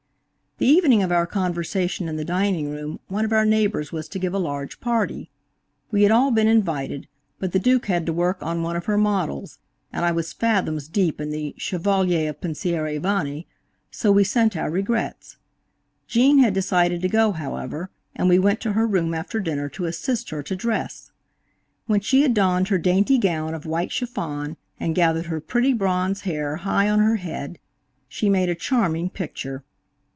The evening of our conversation in the dining room one of our neighbors was to give a large party. We had all been invited, but the Duke had to work on one of her models, and I was fathoms deep in the "Chevalier of Pensieri Vani," so we sent our regrets. Gene had decided to go, however, and we went to her room after dinner to assist her to dress. When she had donned her dainty gown of white chiffon, and gathered her pretty bronze hair high on her head, she made a charming picture.